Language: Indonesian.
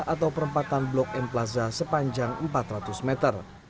atau perempatan blok m plaza sepanjang empat ratus meter